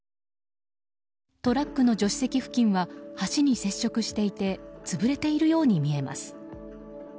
トラックの助手席付近は橋に接触していて潰れているように見えます。